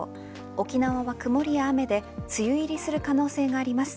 沖縄は曇りや雨で梅雨入りする可能性があります。